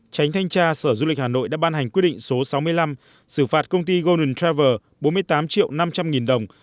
tránh thanh tra sở du lịch hà nội đã ban hành quyết định số sáu mươi năm xử phạt công ty golden travel bốn mươi tám triệu năm trăm linh nghìn đồng